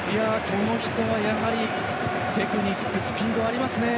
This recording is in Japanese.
この人はやはりテクニックスピードがありますね。